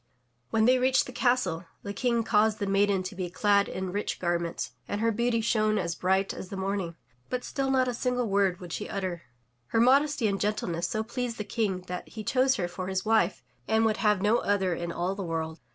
When they reached the castle, the King caused the maiden to be clad in rich garments, and her beauty shone as bright as the morning, but still not a single word would she utter. Her modesty and gentleness so pleased the King that he chose her for his wife and would have no other in all the world.